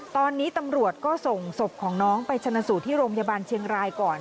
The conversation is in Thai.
ตอนนี้ตำรวจก็ส่งศพของน้องไปชนะสูตรที่โรงพยาบาลเชียงรายก่อน